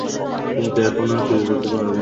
কিন্তু এখন আর ফিরে যেতে পারবো না।